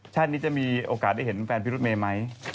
ชาตินี้จะมีโอกาสได้เห็นแฟนพี่รถเมย์ไหม